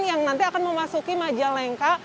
yang nanti akan memasuki majalengka